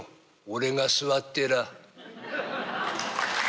俺が座ってら。